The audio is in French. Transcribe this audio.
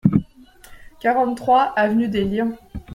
quarante-trois avenue des Lions